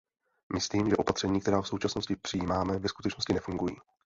Myslím, že opatření, která v současnosti přijímáme, ve skutečnosti nefungují.